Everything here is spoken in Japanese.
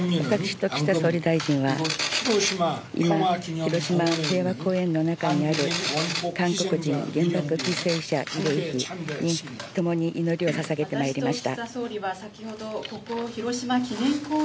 私と岸田総理大臣は、今、広島平和公園の中にある韓国人原爆犠牲者慰霊碑にともに祈りを捧げてまいりました。